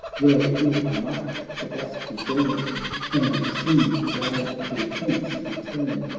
Well will I mark the bosky bourne, And soon, to guard thee hence, return.